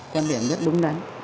quan điểm rất đúng đấy